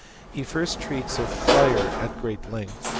He first treats of fire at great length.